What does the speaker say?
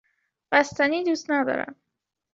بستنی دوست ندارم.